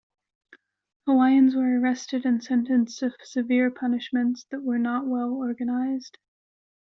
Hawaiians were arrested and sentenced to severe punishments that were not well organised.